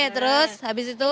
terus habis itu